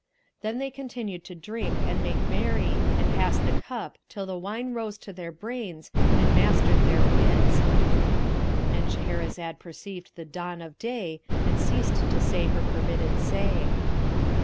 Then they continued to drink and make merry and pass the cup till the wine rose to their brains and mastered their wits;—And Shahrazad perceived the dawn of day and ceased to say her permitted say.